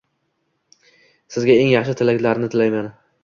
Sizga eng yaxshi tilaklarimni tilayman!